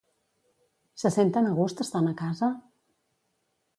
Se senten a gust estant a casa?